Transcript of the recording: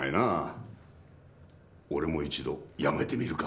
俺も一度辞めてみるか？